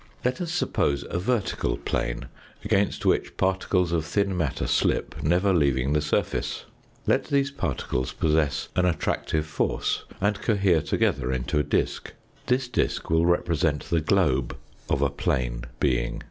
Le't us suppose a vertical plane against which particles of thin matter slip, never leaving the surface. Let these particles possess an attractive force and cohere together into a disk ; this disk will represent the globe of a plane being.